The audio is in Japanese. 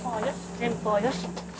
前方よし。